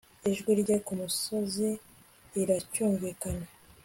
Ijwi rye kumusozi riracyumvikana